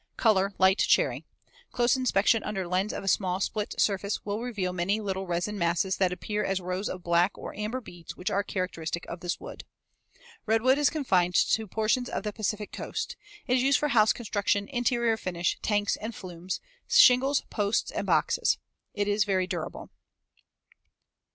Color light cherry. Close inspection under lens of a small split surface will reveal many little resin masses that appear as rows of black or amber beads which are characteristic of this wood. Redwood is confined to portions of the Pacific Coast. It is used for house construction, interior finish, tanks and flumes, shingles, posts, and boxes. It is very durable.